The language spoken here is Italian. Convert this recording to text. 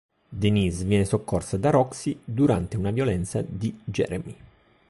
Denise viene soccorsa da Roxy durante una violenza di Jeremy.